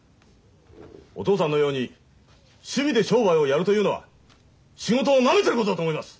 お父さんのように趣味で商売をやるというのは仕事をなめてることだと思います！